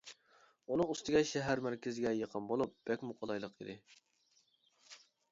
ئۇنىڭ ئۈستىگە شەھەر مەركىزىگە يېقىن بولۇپ بەكمۇ قولايلىق ئىدى.